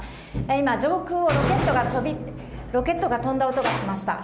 今、上空をロケットが、ロケットが飛んだ音がしました。